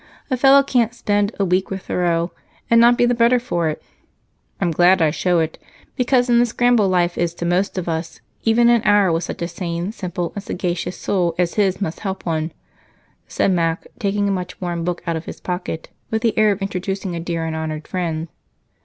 A fellow can't spend 'A Week' with Thoreau and not be the better for it. I'm glad I show it, because in the scramble life is to most of us, even an hour with such a sane, simple, and sagacious soul as his must help one," said Mac, taking a much worn book out of his pocket with the air of introducing a dear and honored friend.